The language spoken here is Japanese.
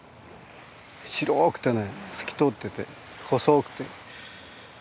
白くてね透き通ってて細くて。